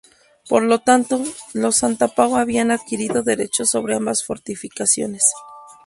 Por lo tanto, los Santa Pau habían adquirido derechos sobre ambas fortificaciones.